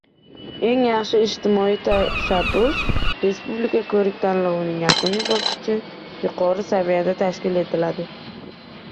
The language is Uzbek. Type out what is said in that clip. “Eng yaxshi ijtimoiy tashabbus” respublika ko‘rik-tanlovining yakuniy bosqichi yuqori saviyada tashkil etiladi